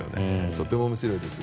とても面白いです。